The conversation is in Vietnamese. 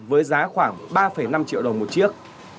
với giá khoảng ba năm triệu đồng một chiếc